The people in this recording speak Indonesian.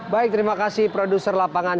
baik terima kasih produser lapangan